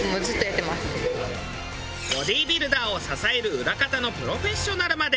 ボディビルダーを支える裏方のプロフェッショナルまで。